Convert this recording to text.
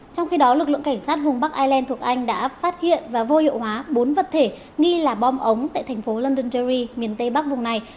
trong khi đó lực lượng cảnh sát vùng bắc ireland thuộc anh đã phát hiện và vô hiệu hóa bốn vật thể nghi là bom ống tại thành phố london jerry miền tây bắc vùng này